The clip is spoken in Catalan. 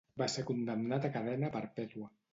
Va ser condemnat a cadena perpètua.